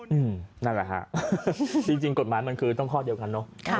นั่นแหละฮะจริงกฎหมายมันคือต้องข้อเดียวกันเนอะ